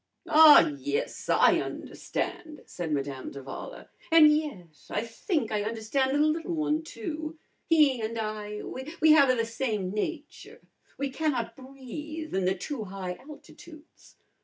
"Ah, yes, I understand," said Madame d'Avala. "And yet I think I understand the little one, too. He and I we have the same nature. We cannot breathe in the too high altitudes.